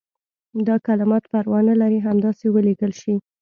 دا کلمات پروا نه لري همداسې ولیکل شي.